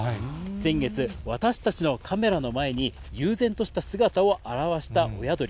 先月、私たちのカメラの前に、悠然とした姿を現した親鳥。